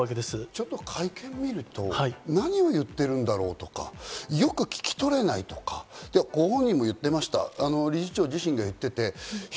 ちょっと会見みると何を言ってるんだろうとか、よく聞き取れないとか、ご本人も言ってました。